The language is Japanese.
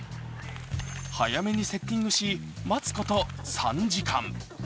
早めにセッティングし待つこと３時間。